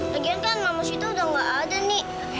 lagian kan mama sita udah gak ada nih